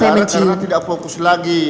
saya mencium karena tidak fokus lagi